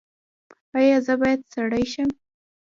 ایا زه باید سړی شم؟